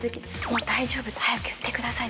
「『もう大丈夫』って早く言ってください」みたいな。